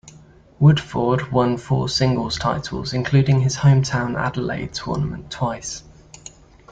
Woodforde won four singles titles, including his hometown Adelaide tournament twice.